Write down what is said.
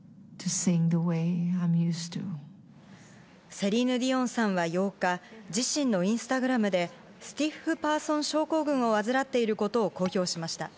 セリーヌ・ディオンさんは８日、自身のインスタグラムで、スティッフパーソン症候群を患っていることを公表しました。